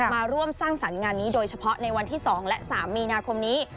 มาร่วมสร้างสรรค์งานนี้โดยเฉพาะในวันที่๒และ๓มีนาคมนี้